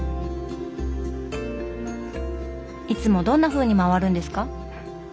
いつもどんなふうに回るんですか？